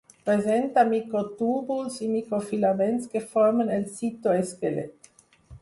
Presenta microtúbuls i microfilaments que formen el citoesquelet.